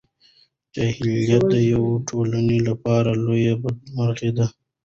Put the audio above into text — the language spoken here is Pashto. جهالت د یوې ټولنې لپاره لویه بدمرغي ده.